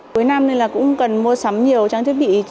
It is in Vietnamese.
cuối năm nên là cũng cần mua sắm nhiều trang thiết bị